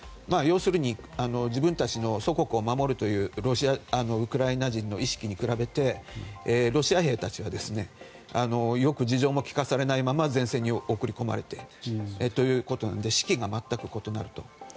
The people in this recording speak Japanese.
要するに自分たちの祖国を守るというウクライナ人たちの意識に比べてロシア兵たちはよく事情も聞かされないまま前線に送り込まれてということなので士気が全く異なると。